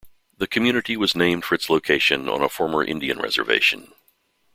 The community was named from its location on a former Indian reservation.